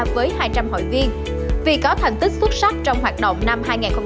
với hai trăm linh hội viên vì có thành tích xuất sắc trong hoạt động năm hai nghìn hai mươi một hai nghìn hai mươi hai